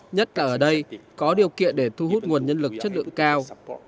nhất là ở đây có điều kiện để thu hút nguồn nhân lực chất lượng cao